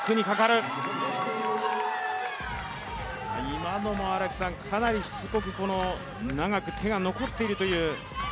今のも荒木さん、かなりしつこく長く手が残っているという。